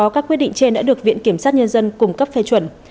các quyết định trên đã được viện kiểm sát nhân dân cung cấp phê chuẩn